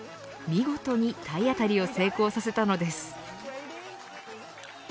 見事に体当たりを成功させたのです。